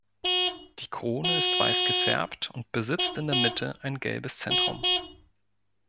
Die Krone ist weiß gefärbt und besitzt in der Mitte ein gelbes Zentrum.